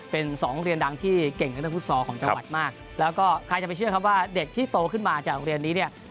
เป็นสองเรียนดังที่เก่งในเรื่องฟุตซอลของจังหวัดมากแล้วก็ใครจะไปเชื่อครับว่าเด็กที่โตขึ้นมาจากโรงเรียนนี้เนี่ย